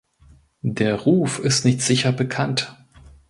Der Ruf ist nicht sicher bekannt.